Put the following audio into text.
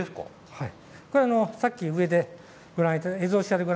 はい。